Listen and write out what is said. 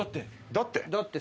だって。